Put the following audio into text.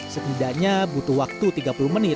setidaknya butuh waktu tiga puluh menit